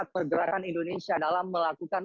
pergerakan indonesia dalam melakukan